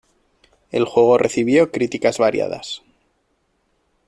El juego recibió críticas variadas.